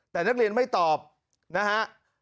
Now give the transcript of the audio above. แต่นักเรียนไม่ตอบนะฮะ